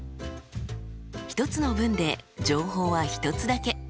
一つの文で情報は一つだけ。